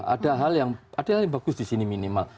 ada hal yang bagus di sini minimal